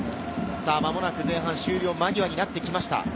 まもなく前半終了間際になってきました。